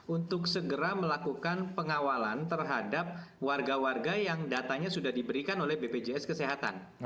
untuk segera melakukan pengawalan terhadap warga warga yang datanya sudah diberikan oleh bpjs kesehatan